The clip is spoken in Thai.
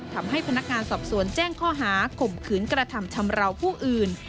ทำให้พนักงานสอบสวนแจ้งข้อหาข่มขืนกระทำชำราวผู้อื่น